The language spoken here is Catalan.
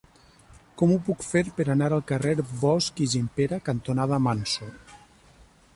Com ho puc fer per anar al carrer Bosch i Gimpera cantonada Manso?